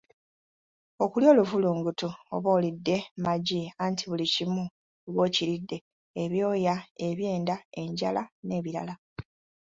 Okulya oluvulunguti oba olidde magi anti buli kimu oba okiridde ebyoya, ebyenda, enjala n'ebirala.